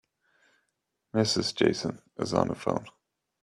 Mrs. Jason is on the phone.